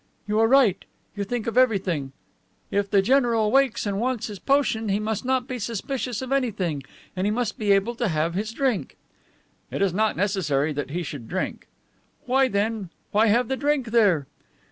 "You are right. You think of everything. If the general wakes and wants his potion, he must not be suspicious of anything, and he must be able to have his drink." "It is not necessary that he should drink." "Well, then, why have the drink there?"